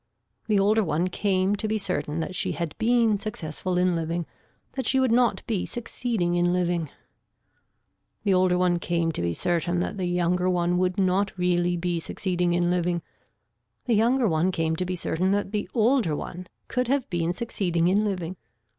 The older one came to be certain that she had been successful in living, that she would not be succeeding in living. The older one came to be certain that the younger one would not really be succeeding in living. The younger one came to be certain that the older one could have been succeeding in living.